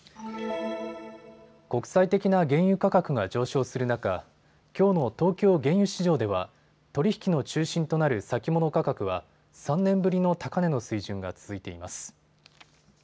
国際的な原油価格が上昇する中、きょうの東京原油市場では取り引きの中心となる先物価格は３年ぶりの高値の水準が続いています。